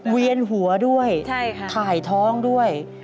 เวียนหัวด้วยถ่ายท้องด้วย